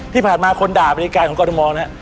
ที่ผ่านมาคนด่าบริการของกรทมเนี่ย